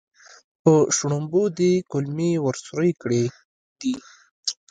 په شړومبو دې کولمې ور سورۍ کړې دي.